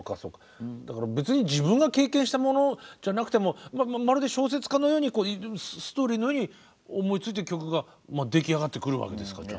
だから別に自分が経験したものじゃなくてもまるで小説家のようにストーリーのように思いついて曲が出来上がってくるわけですからね。